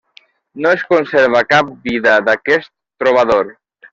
No es conserva cap vida d'aquest trobador.